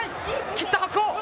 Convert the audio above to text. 切った白鵬！